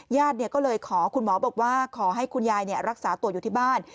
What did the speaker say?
ญาติก็เลยขอคุณหมอบอกว่าขอให้คุณยายรักษาตัวอยู่ที่บ้าน